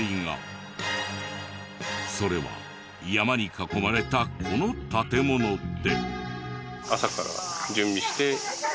それは山に囲まれたこの建物で。